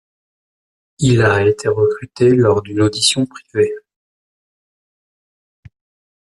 Il a été recruté lors d'une audition privée.